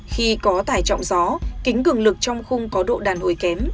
khi có tải trọng gió kính cường lực trong khung có độ đàn hồi kém